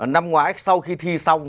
năm ngoái sau khi thi xong